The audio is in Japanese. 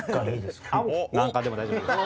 何貫でも大丈夫です。